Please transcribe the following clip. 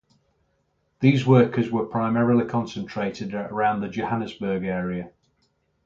These workers were primarily concentrated around the Johannesburg area.